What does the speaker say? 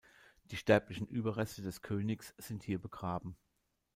Die sterblichen Überreste des Königs sind hier begraben.